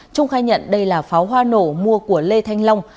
trung khai nhận đây là pháo hoa nổ mua của lê thanh long